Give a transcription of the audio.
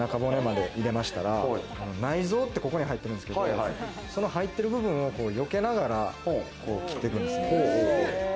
中骨まで入れましたら、内臓って、ここに入ってるんですけど、入ってる部分をよけながら切っていくんですね。